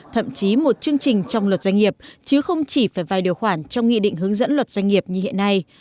thậm chí một chương trình trong luật doanh nghiệp chứ không chỉ phải vài điều khoản trong nghị định hướng dẫn luật doanh nghiệp như hiện nay